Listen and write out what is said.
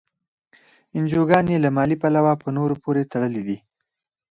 انجوګانې له مالي پلوه په نورو پورې تړلي دي.